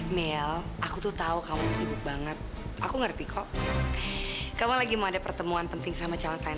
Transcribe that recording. meal aku tuh tahu kamu sibuk banget aku ngerti kok kamu lagi mau ada pertemuan penting sama calon time